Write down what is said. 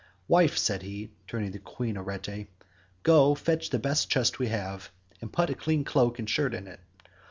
"Wife," said he, turning to Queen Arete, "Go, fetch the best chest we have, and put a clean cloak and shirt in it.